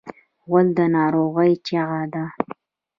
غول د ناروغۍ چیغه ده.